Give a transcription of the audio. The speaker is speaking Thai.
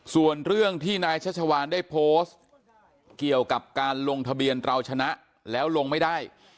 ส่วนเรื่องที่นายชัชวานได้โพสต์เกี่ยวกับการลงทะเบียนเราชนะแล้วลงไม่ได้